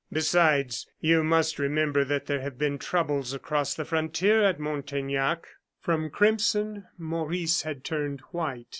Besides, you must remember that there have been troubles across the frontier at Montaignac." From crimson Maurice had turned white.